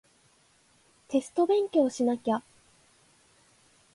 テスト勉強しなきゃ